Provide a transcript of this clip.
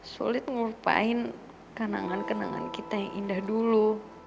sulit ngurupain kenangan kenangan kita yang indah dulu